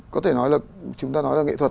có thể nói là chúng ta nói là nghệ thuật